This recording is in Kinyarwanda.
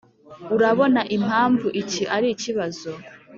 urabona impamvu iki ari ikibazo?